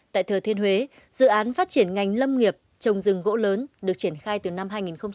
tại thừa thiên huế dự án phát triển ngành lâm nghiệp trồng rừng gỗ lớn được triển khai từ năm hai nghìn một mươi